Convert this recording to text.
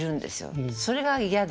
それが嫌で。